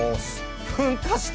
噴火した！